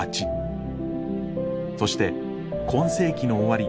そして今世紀の終わり